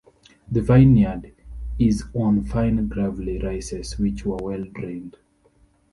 The vineyard is on fine gravelly rises, which are well drained.